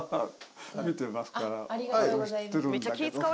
ありがとうございます。